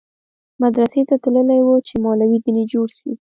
مدرسې ته تللى و چې مولوى ځنې جوړ سي.